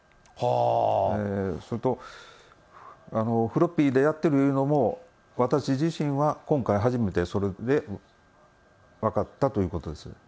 それと、フロッピーでやってるいうのも、私自身は、今回初めてそれで分かったということです。